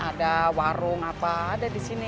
ada warung apa ada disini